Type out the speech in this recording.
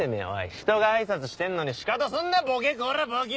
ひとが挨拶してんのにシカトすんなボケこらボケ！